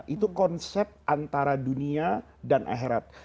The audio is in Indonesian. itu konsep antara dunia dan akhirat